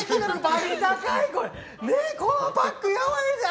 このパックやばいですよ。